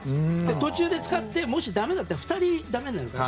途中で使って、もしだめだと２人だめになるから。